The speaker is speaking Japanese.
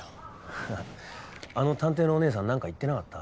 ははっあの探偵のおねえさん何か言ってなかった？